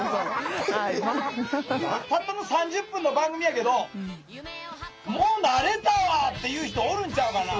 たったの３０分の番組やけどもう慣れたわっていう人おるんちゃうかな。